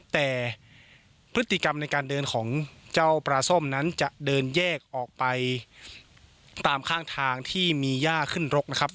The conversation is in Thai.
แต่พฤติกรรมในการเดินของเจ้าปลาส้มนั้นจะเดินแยกออกไปตามข้างทางที่มีย่าขึ้นรกนะครับ